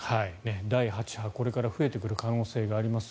第８波これから増えてくる可能性があります。